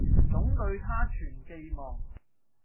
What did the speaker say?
總對她尚存寄望